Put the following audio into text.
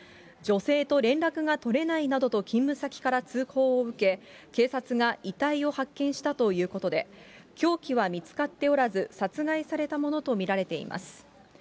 女性と連絡が取れないなどと、勤務先から通報を受け、警察が遺体を発見したということで、凶器は見つかっておらず、殺害されたものと見られています。